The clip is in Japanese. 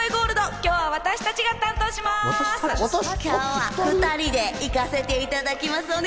今日は２人で行かせていただきます。